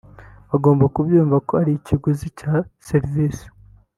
bagomba kubyumva ko ari ikiguzi cya serivisi